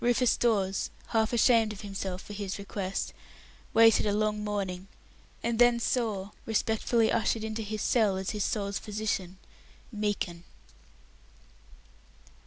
Rufus Dawes, half ashamed of himself for his request, waited a long morning, and then saw, respectfully ushered into his cell as his soul's physician Meekin.